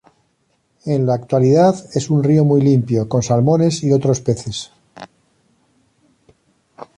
En la actualidad es un río muy limpio, con salmones y otros peces.